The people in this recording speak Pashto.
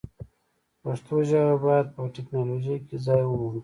پښتو ژبه باید په ټکنالوژۍ کې ځای ومومي.